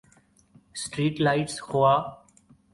street lights خوا